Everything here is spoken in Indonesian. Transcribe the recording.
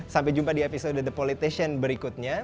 sampai jumpa di episode the politician berikutnya